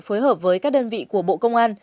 phối hợp với các đơn vị của bộ công an